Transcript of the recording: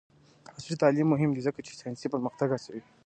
عصري تعلیم مهم دی ځکه چې ساینسي پرمختګ هڅوي.